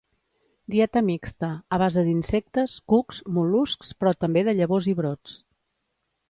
Dieta mixta, a base d'insectes, cucs, mol·luscs però també de llavors i brots.